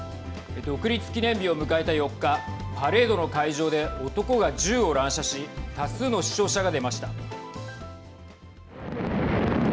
独立記念日を迎えた４日パレードの会場で男が銃を乱射し多数の死傷者が出ました。